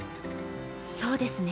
そうですね。